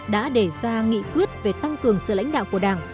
đã đề ra nghị quyết về tăng cường sự lãnh đạo của đảng